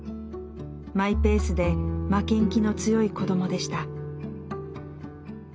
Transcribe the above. マイペースで負けん気の強い子どもでした。